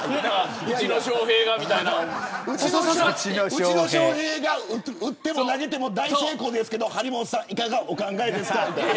うちの翔平が打っても投げても大成功ですけど張本さんいかがお考えですかみたいな。